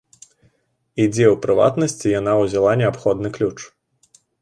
І дзе, у прыватнасці, яна ўзяла неабходны ключ.